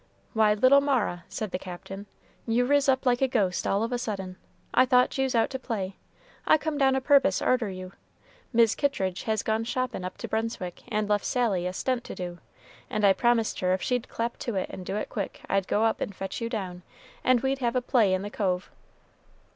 "Why, little Mara," said the Captain, "you ris up like a ghost all of a sudden. I thought you's out to play. I come down a purpose arter you. Mis' Kittridge has gone shoppin' up to Brunswick, and left Sally a 'stent' to do; and I promised her if she'd clap to and do it quick, I'd go up and fetch you down, and we'd have a play in the cove."